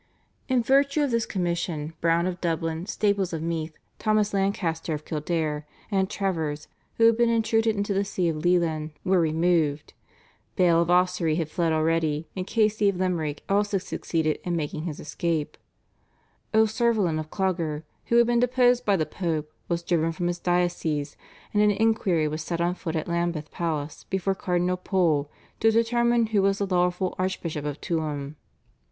In virtue of this commission Browne of Dublin, Staples of Meath, Thomas Lancaster of Kildare, and Travers, who had been intruded into the See of Leighlin, were removed. Bale of Ossory had fled already, and Casey of Limerick also succeeded in making his escape. O'Cervallen of Clogher, who had been deposed by the Pope, was driven from his diocese, and an inquiry was set on foot at Lambeth Palace before Cardinal Pole to determine who was the lawful Archbishop of Tuam.